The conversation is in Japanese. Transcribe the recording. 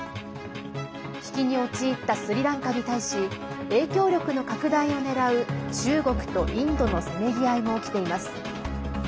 危機に陥ったスリランカに対し影響力の拡大をねらう中国とインドのせめぎ合いも起きています。